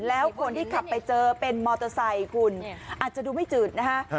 แล้วคนที่ขับไปเจอเป็นมอเตอร์ไซค์คุณอาจจะดูไม่จืดนะฮะ